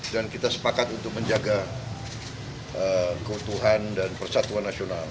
dan kita sepakat untuk menjaga keutuhan dan persatuan nasional